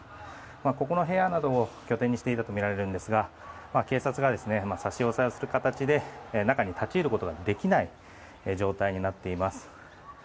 ここの部屋などを拠点にしていたとみられるんですが警察が差し押さえをする形で中に立ち入ることができない状態になっています。